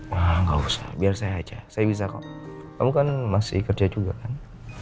wah gak usah biar saya aja saya bisa kok kamu kan masih kerja juga kan